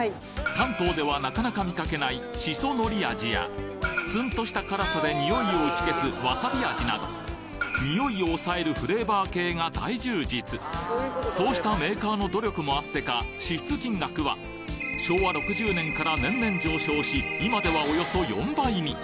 関東ではなかなか見かけないツンとした辛さでにおいを打ち消すにおいを抑えるフレーバー系が大充実そうしたメーカーの努力もあってか支出金額は昭和６０年から年々上昇し今ではおよそ４倍に！